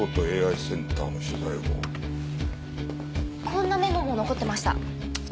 こんなメモも残ってました。